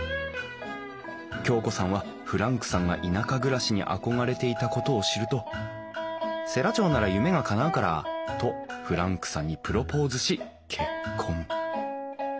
京子さんはフランクさんが田舎暮らしに憧れていたことを知ると「世羅町なら夢がかなうから」とフランクさんにプロポーズし結婚。